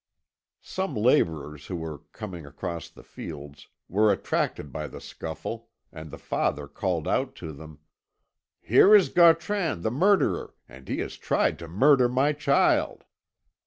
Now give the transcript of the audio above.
Some labourers who were coming across the fields, were attracted by the scuffle, and the father called out to them: "Here is Gautran the murderer, and he has tried to murder my child!"